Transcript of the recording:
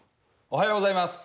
おはようございます。